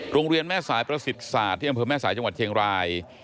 โรงเรียนแม่สายประสิทธิ์ศาสตร์ที่อำเภอแม่สายจังหวัดเชียงราย